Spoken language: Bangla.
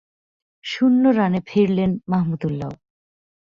শূন্য রানে ফিরলেন মাহমুদউল্লাহও।